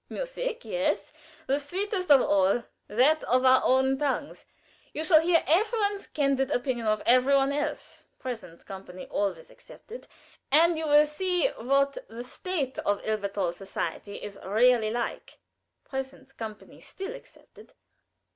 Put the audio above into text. "Music, yes, the sweetest of all that of our own tongues. You shall hear every one's candid opinion of every one else present company always excepted, and you will see what the state of Elberthal society really is present company still excepted.